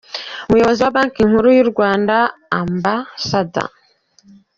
Umuyobozi wa Banki Nkuru y’u Rwanda Amb.